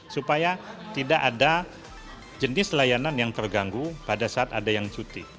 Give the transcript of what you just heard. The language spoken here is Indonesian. supaya tidak ada jenis layanan yang terganggu pada saat ada yang cuti